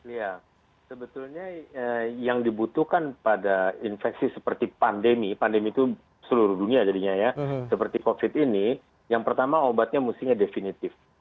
ya sebetulnya yang dibutuhkan pada infeksi seperti pandemi pandemi itu seluruh dunia jadinya ya seperti covid ini yang pertama obatnya mestinya definitif